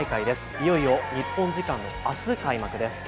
いよいよ日本時間のあす開幕です。